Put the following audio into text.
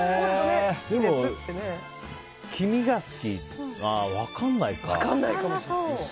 でも黄身が好き分かんないか。